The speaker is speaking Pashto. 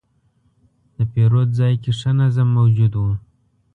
د پیرود ځای کې ښه نظم موجود و.